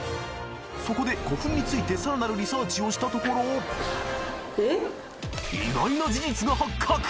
そこで古墳についてさらなるリサーチをしたところ意外な事実が発覚！